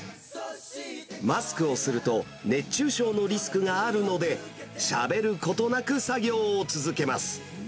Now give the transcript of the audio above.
マスクをすると、熱中症のリスクがあるので、しゃべることなく作業を続けます。